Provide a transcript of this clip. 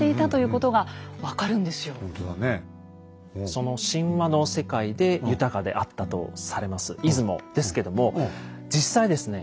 その神話の世界で豊かであったとされます出雲ですけども実際ですね